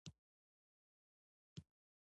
زه يې نه شم پورته کولاى.